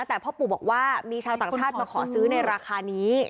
แต่พ่อปู่บอกว่ามีชาวต่างชาติมาขอซื้อในราคานี้